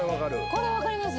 これわかります。